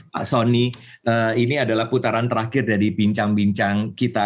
pak soni ini adalah putaran terakhir dari bincang bincang kita